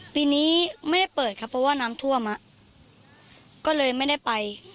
ปีนี้ไม่ได้เปิดค่ะเพราะว่าน้ำท่วมก็เลยไม่ได้ไป